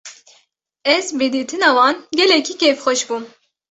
Ez bi dîtina wan gelekî kêfxweş bûm.